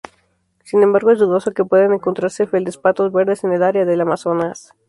Sin embargo es dudoso que puedan encontrarse feldespatos verdes en el área del Amazonas.